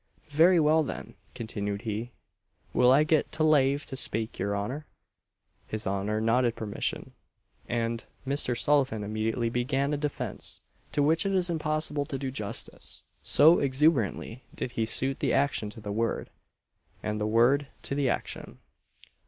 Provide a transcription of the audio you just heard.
"Very well, then," continued he "will I get lave to spake, your honour?" His honour nodded permission, and Mr. Sullivan immediately began a defence, to which it is impossible to do justice; so exuberantly did he suit the action to the word, and the word to the action.